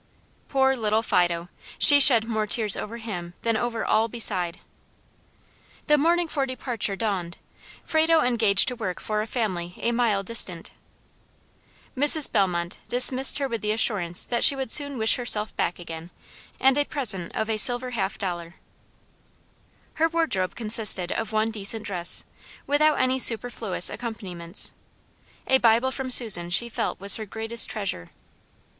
Poor little Fido! She shed more tears over him than over all beside. The morning for departure dawned. Frado engaged to work for a family a mile distant. Mrs. Bellmont dismissed her with the assurance that she would soon wish herself back again, and a present of a silver half dollar. Her wardrobe consisted of one decent dress, without any superfluous accompaniments. A Bible from Susan she felt was her greatest treasure.